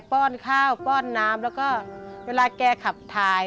้อนข้าวป้อนน้ำแล้วก็เวลาแกขับถ่าย